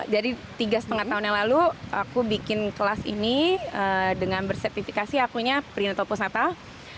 jadi tiga lima tahun yang lalu aku bikin kelas ini dengan bersertifikasi akunya prenatal postnatal